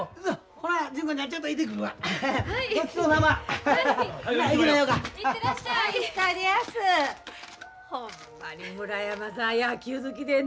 ほんまに村山さん